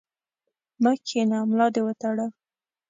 مه کښېنه ، ملا دي وتړه!